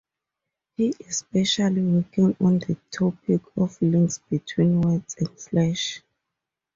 He is specially working on the topic of links between words and flesh.